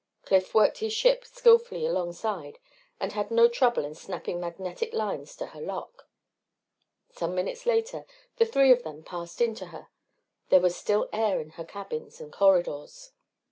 Cliff worked his ship skillfully alongside and had no trouble in snapping magnetic lines to her lock. Some minutes later the three of them passed into her. There was still air in her cabins and corridors.